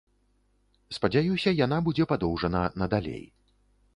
Спадзяюся, яна будзе падоўжана надалей.